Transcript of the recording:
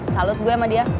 salut gue sama dia